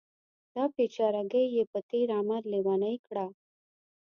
دا بیچارګۍ یې په تېر عمر لیونۍ کړه.